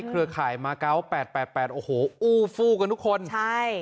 เครือข่ายมาเกาะแปดแปดแปดโอ้โหอู้ฟู้กันทุกคนใช่